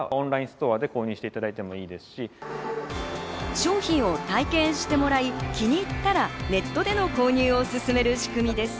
商品を体験してもらい、気に入ったらネットでの購入を勧める仕組みです。